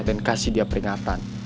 dan kasih dia peringatan